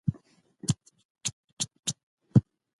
دا مفکوره اوس عملي ښکاري.